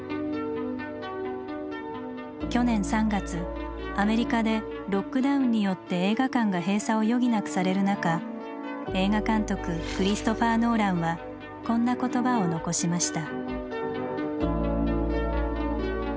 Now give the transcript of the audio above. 去年３月アメリカでロックダウンによって映画館が閉鎖を余儀なくされる中映画監督クリストファー・ノーランはこんな言葉を残しました。